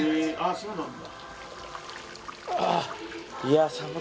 そうなんだ。